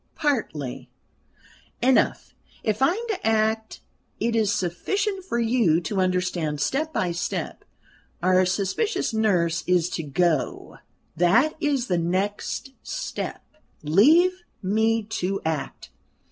"Partly." "Enough. If I am to act it is sufficient for you to understand step by step. Our suspicious nurse is to go. That is the next step. Leave me to act."